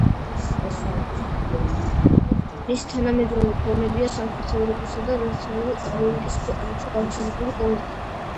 მისი თანამედროვე ფორმებია სამხრეთ ევროპისა და ლათინური ამერიკის ქვეყნებში გავრცელებული კორიდა.